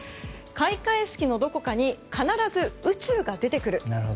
開会式のどこかに必ず宇宙が出てくる。